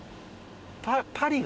パリ。